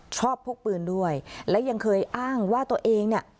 พกปืนด้วยและยังเคยอ้างว่าตัวเองเนี่ย